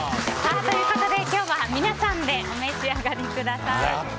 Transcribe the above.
今日は皆さんでお召し上がりください。